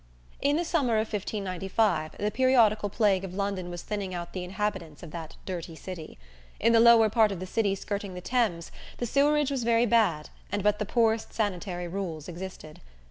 In the summer of 1595, the periodical plague of London was thinning out the inhabitants of that dirty city. In the lower part of the city skirting the Thames, the sewerage was very bad and but the poorest sanitary rules existed.